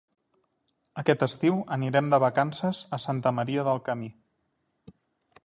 Aquest estiu anirem de vacances a Santa Maria del Camí.